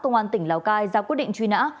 công an tỉnh lào cai ra quyết định truy nã